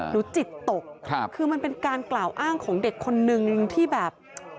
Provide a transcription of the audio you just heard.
หนูจิตตกคือมันเป็นการกล่าวอ้างของเด็กคนนึงที่แบบ